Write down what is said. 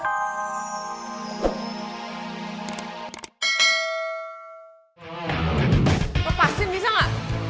lepasin bisa gak